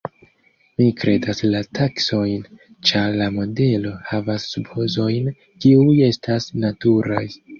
Mi kredas la taksojn, ĉar la modelo havas supozojn, kiuj estas naturaj.